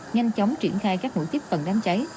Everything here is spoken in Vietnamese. nhanh chóng triển khai các nội tiếp phần đám cháy